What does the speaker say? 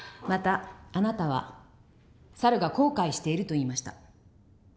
またあなたは猿が後悔していると言いました。